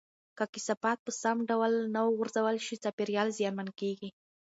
که کثافات په سم ډول نه غورځول شي، چاپیریال زیانمن کېږي.